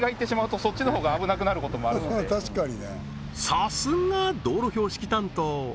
さすが道路標識担当！